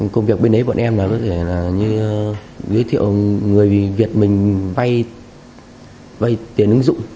công việc bên đấy bọn em là giới thiệu người việt mình vay tiền ứng dụng